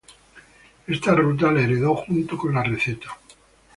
Esta ruta la heredó junto con la receta.